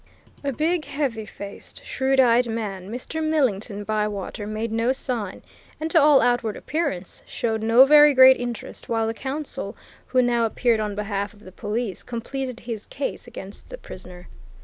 A big, heavy faced, shrewd eyed man, Mr. Millington Bywater made no sign, and to all outward appearance showed no very great interest while the counsel who now appeared on behalf of the police, completed his case against the prisoner.